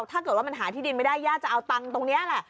ถ้าเกิดว่ามันหาที่ดินไม่ได้ย่าจะเอาตังค์ตรงนี้แหละ